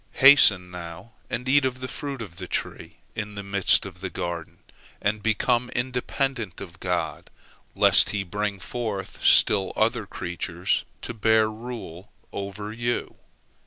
Hasten now and eat of the fruit of the tree in the midst of the garden, and become independent of God, lest He bring forth still other creatures to bear rule over you."